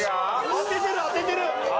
当ててる当ててる！